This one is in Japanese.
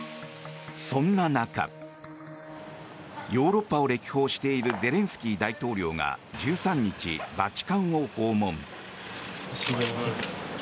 そんな中ヨーロッパを歴訪しているゼレンスキー大統領が１３日、バチカンを訪問。